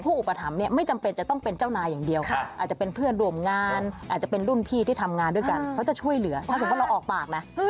อุปถัมภ์เนี่ยไม่จำเป็นจะต้องเป็นเจ้านายอย่างเดียวอาจจะเป็นเพื่อนร่วมงานอาจจะเป็นรุ่นพี่ที่ทำงานด้วยกันเขาจะช่วยเหลือถ้าสมมุติเราออกปากนะ